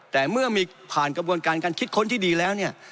แต่เมื่อมีผ่านกระบวนการการคิดค้นที่ดีแล้วเนี่ย